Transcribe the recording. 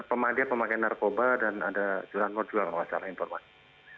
pemandian pemakaian narkoba dan ada jurang jurang secara informatif